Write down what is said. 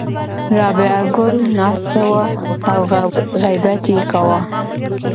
رابعه ګل ناسته وه او غیبت یې کاوه.